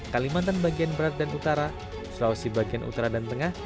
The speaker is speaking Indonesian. kalimantan bagian barat dan utara sulawesi bagian utara dan tengah